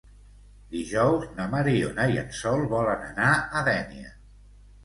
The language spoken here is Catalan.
Dijous na Mariona i en Sol volen anar a Dénia.